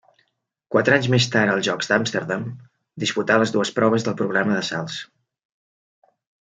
Quatre anys més tard als Jocs d'Amsterdam, disputà les dues proves del programa de salts.